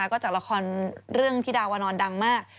ก็จากละครเรื่องพี่ดาวนอนดังมาก